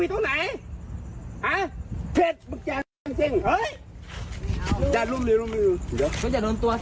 มึงขายทางหนู